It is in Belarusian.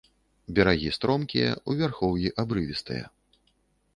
Берагі стромкія, у вярхоўі абрывістыя.